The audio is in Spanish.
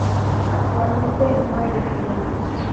Actualmente no hay residentes.